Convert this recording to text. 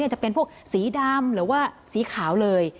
จะเป็นพวกสีดำหรือว่าสีขาวเลย